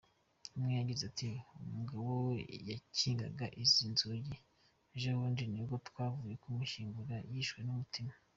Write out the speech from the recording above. Umwe yagize ati “Umugabo wakingaga izi nzugi ejobundi nibwo twavuye kumushyingura yishwe n’umutima.